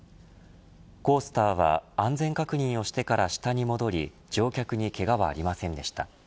コースターは安全確認をしてから下に戻り乗客にけがはありませんでした。